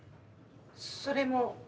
それも。